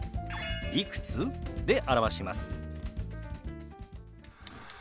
「いくつ？」で表します。